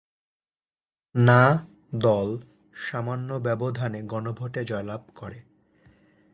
"না" দল সামান্য ব্যবধানে গণভোটে জয়লাভ করে।